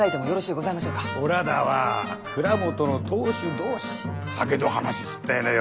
おらだは蔵元の当主同士酒の話すったいのよ。